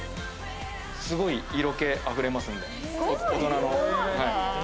すごい色気あふれますんで、大人の。